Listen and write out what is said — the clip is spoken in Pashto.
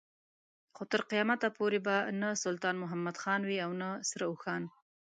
خو تر قيامت پورې به نه سلطان محمد خان وي او نه سره اوښان.